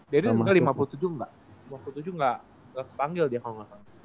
daryl juga deh daryl juga lima puluh tujuh nggak lima puluh tujuh nggak kepanggil dia kalo nggak salah